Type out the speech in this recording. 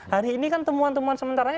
hari ini kan temuan temuan sementara